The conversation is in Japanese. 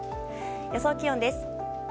予想気温です。